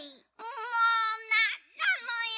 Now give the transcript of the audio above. もうなんなのよ！